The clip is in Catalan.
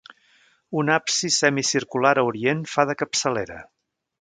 Un absis semicircular a orient fa de capçalera.